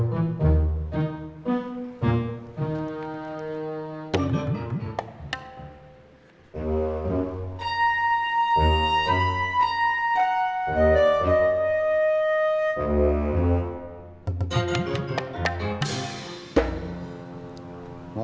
sampai ketemu besok